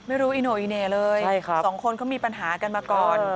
ไม่รู้อีโน่อีเหน่เลยสองคนเขามีปัญหากันมาก่อน